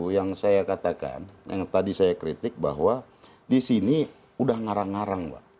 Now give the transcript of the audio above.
yang saya katakan yang tadi saya kritik bahwa di sini udah ngarang ngarang pak